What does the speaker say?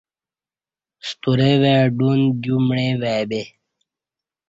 سطرے وای ڈون دیو میع وای بے